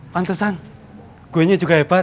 pantesan gue nya juga hebat